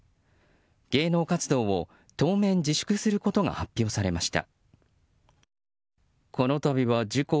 芸能活動を当面自粛することが発表されました。